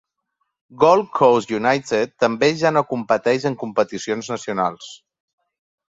Gold Coast United també ja no competeix en competicions nacionals.